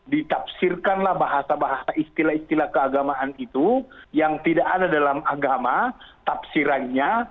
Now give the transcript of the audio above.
ditafsirkanlah bahasa bahasa istilah istilah keagamaan itu yang tidak ada dalam agama tafsirannya